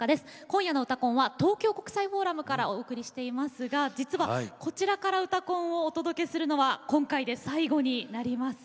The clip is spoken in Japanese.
今夜の「うたコン」は東京国際フォーラムからお送りしていますが実はこちらから「うたコン」をお届けするのは今回で最後になります。